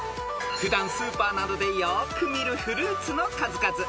［普段スーパーなどでよく見るフルーツの数々］